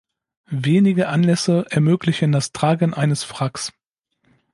Wenige Anlässe ermöglichen das Tragen eines Fracks.